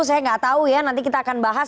saya nggak tahu ya nanti kita akan bahas